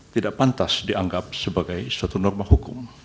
tidak pantas dianggap sebagai suatu norma hukum